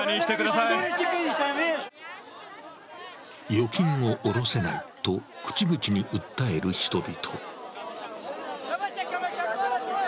預金を下ろせないと口々に訴える人々。